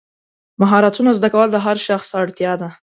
مهارتونه زده کول د هر شخص اړتیا ده.